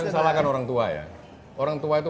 disalahkan orang tua ya orang tua itu